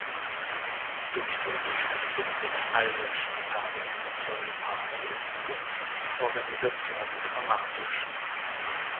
Durch die Unterstützung der Irish Parliamentary Party wuchs die Organisation dramatisch.